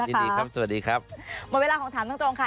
ยินดีครับสวัสดีครับหมดเวลาของถามตรงตรงค่ะ